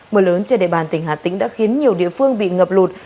mưa lớn trên địa bàn tỉnh hà tĩnh đã khiến nhiều địa phương bị ngập lụt